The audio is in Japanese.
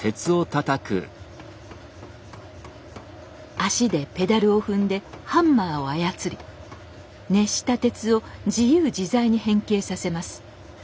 足でペダルを踏んでハンマーを操り熱した鉄を自由自在に変形させます。